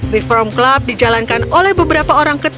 reform klub dijalankan oleh beberapa orang ketat